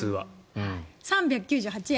３９８円。